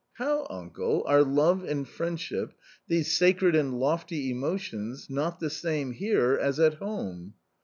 " How, uncle, are love and friendship — these sacred and lofty emotions, not the same here as at home